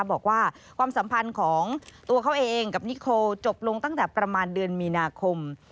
ความสัมพันธ์ของตัวเขาเองกับนิโคจบลงตั้งแต่ประมาณเดือนมีนาคม